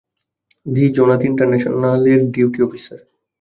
দি Zenith ইন্টারন্যাশনালের duty officer.